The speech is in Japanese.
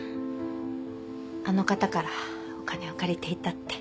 あの方からお金を借りていたって。